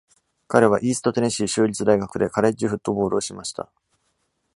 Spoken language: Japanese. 彼はイーストテネシー州立大学でカレッジフットボールをしました。